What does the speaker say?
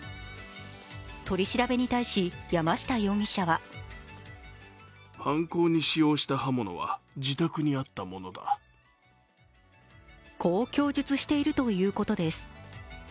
取り調べに対し山下容疑者はこう供述しているということです。